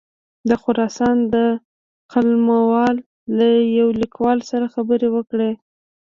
د خراسان د قلموال له یوه لیکوال سره خبرې وکړې.